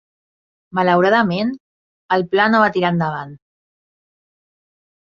Malauradament, el pla no va tirar endavant.